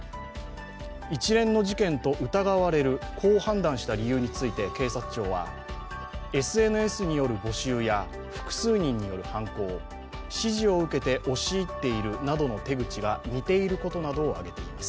一連の事件と疑われる、こう判断した理由について警察庁はＳＮＳによる募集や複数人による犯行指示を受けて押し入っているなどの手口が似ていることなどを挙げています。